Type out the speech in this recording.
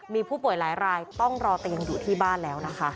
มีผู้ป่วยหลายรายต้องรอเตียงอยู่ที่บ้านแล้วนะคะ